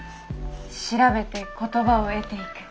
調べて言葉を得ていく。